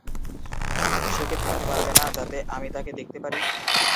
সে কি থাকতে পারবে না, যাতে আমি তাকে দেখতে পারি?